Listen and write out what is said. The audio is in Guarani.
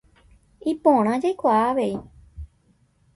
Iporã jaikuaa avei.